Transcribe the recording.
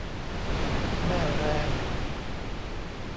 แม่แรง